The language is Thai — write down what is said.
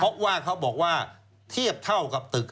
เพราะว่าเขาบอกว่าเทียบเท่ากับตึก